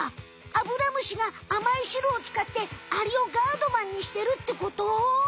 アブラムシが甘い汁をつかってアリをガードマンにしてるってこと？